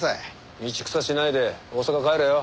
道草しないで大阪帰れよ。